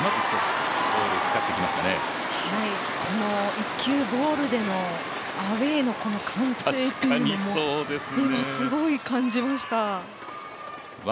１球、ボールでのアウェーでの歓声というのも今、すごい感じました。